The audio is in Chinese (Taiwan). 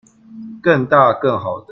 更大更好的